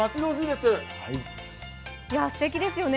すてきですよね。